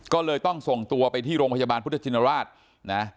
ก็เลยต้องส่งตัวไปที่โรงพยาบาลพุทธชินราชนะ